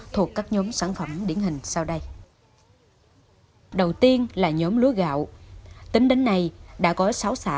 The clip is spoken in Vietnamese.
thuộc các nhóm sản phẩm điển hình sau đây đầu tiên là nhóm lúa gạo tính đến nay đã có sáu xã